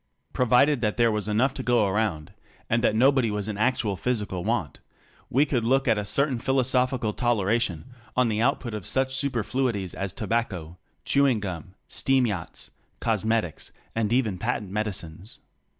Provided there was enough to go around — and that nobody was in actual physical want — we could look with a certain philoso phical toleration on the output of such superfluities as to bacco, chewing gum, steam yachts, cosmetics and even patent medicines.